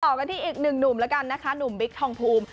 กันที่อีกหนึ่งหนุ่มแล้วกันนะคะหนุ่มบิ๊กทองภูมิ